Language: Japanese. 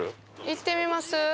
行ってみます？